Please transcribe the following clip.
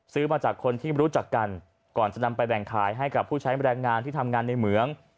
ซื้อมาจากคนที่รู้จักกันก่อนจะนำไปแบ่งขายให้กับผู้ใช้แรงงานที่ทำงานในเหมือง